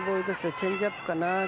チェンジアップかな。